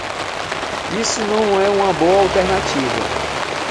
Isso não é uma boa alternativa.